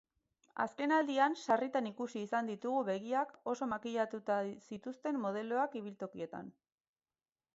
Azkenaldian sarritan ikusi izan ditugu begiak oso makillatuta zituzten modeloak ibiltokietan.